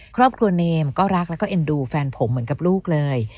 ครอบครัวเนมก็รักแล้วก็เอ็นดูแฟนผมเหมือนกับลูกเลย